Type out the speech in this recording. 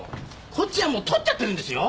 こっちはもう撮っちゃってるんですよ？